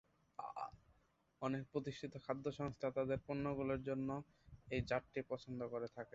অনেক প্রতিষ্ঠিত খাদ্য সংস্থা তাদের পণ্যগুলির জন্য এই জাতটি পছন্দ করে থাকে।